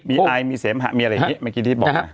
มีอายมีเสมหะมีอะไรอย่างนี้เมื่อกี้ที่บอกมา